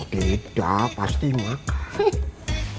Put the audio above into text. tidak pasti dimakan